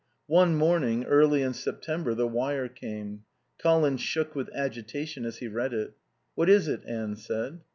One morning, early in September, the wire came. Colin shook with agitation as he read it. "What is it?" Anne said.